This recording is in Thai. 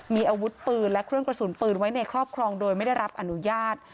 มีอาวุธปืนและเครื่องกระสุนปืนไว้ในครอบครองโดยไม่ได้รับอนุญาต